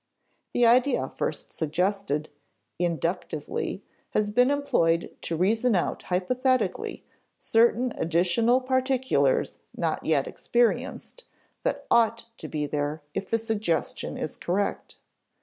The idea first suggested (inductively) has been employed to reason out hypothetically certain additional particulars not yet experienced, that ought to be there, if the suggestion is correct.